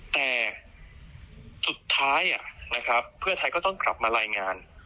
แต่สุดท้ายนะครับเพื่อไทยก็ต้องกลับมารายงาน